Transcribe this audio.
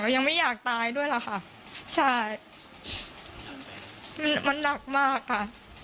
ยังไม่อยากตายด้วยล่ะค่ะใช่มันมันหนักมากค่ะ